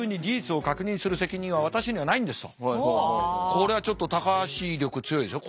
これはちょっと高橋力強いですよ